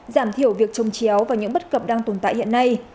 giảm thiểu việc trồng chéo và những bất cập đang tồn tại hiện nay